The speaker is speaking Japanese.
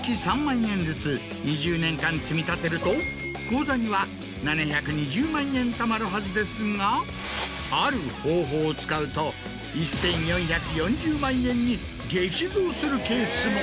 積み立てると口座には７２０万円たまるはずですがある方法を使うと１４４０万円に激増するケースも。